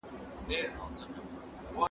زه اوږده وخت ليکنه کوم؟